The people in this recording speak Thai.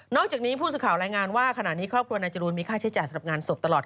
จากนี้ผู้สื่อข่าวรายงานว่าขณะนี้ครอบครัวนายจรูนมีค่าใช้จ่ายสำหรับงานศพตลอด